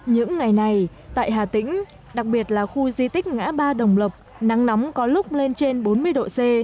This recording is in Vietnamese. những ngày này tại hà tĩnh đặc biệt là khu di tích ngã ba đồng lộc nắng nóng có lúc lên trên bốn mươi độ c